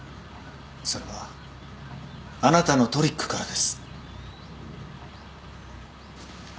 それはあなたのトリックからです。